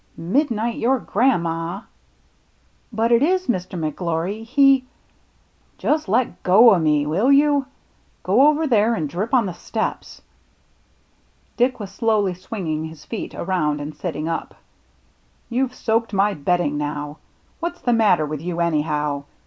Midnight your gran' ma !"" But it is. Mr. McGIory, he —"" Just let go o' me, will you ? Go over there and drip on the steps." Dick was slowly swinging his feet around and sitting up. "You've soaked my bedding now. What's the matter with you anyhow